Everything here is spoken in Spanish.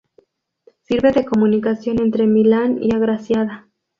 Sirve de comunicación entre Millán y Agraciada.